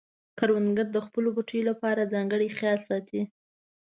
کروندګر د خپلو پټیو لپاره ځانګړی خیال ساتي